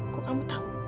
kok kamu tahu